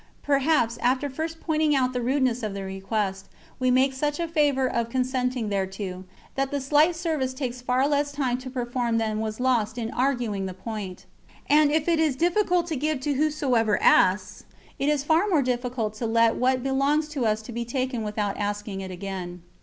Perhaps, after first pointing out the rudeness of the request, we make such a favour of consenting thereto, that the slight service takes far less time to perform than was lost in arguing the point. And if it is difficult to give to whosoever asks, it is far more difficult to let what belongs to us be taken without asking it again.